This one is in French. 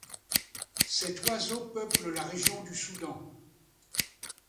Cet oiseau peuple la région du Soudan.